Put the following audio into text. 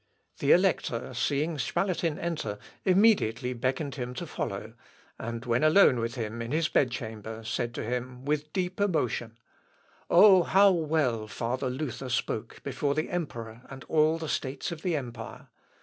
The Elector seeing Spalatin enter, immediately beckoned him to follow, and when alone with him in his bedchamber, said to him, with deep emotion, "Oh! how well father Luther spoke before the emperor and all the states of the empire!